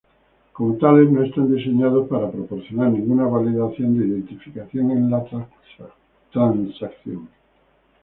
Como tales, no están diseñados para proporcionar ninguna validación de identificación en la transacción.